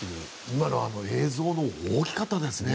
今の映像のも大きかったですね。